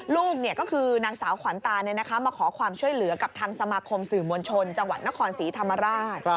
ลูกก็คือนางสาวขวัญตามาขอความช่วยเหลือกับทางสมาคมสื่อมวลชนจังหวัดนครศรีธรรมราช